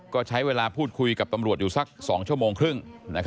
ก็ใช้เวลาพูดคุยกับตำรวจอยู่สัก๒ชั่วโมงครึ่ง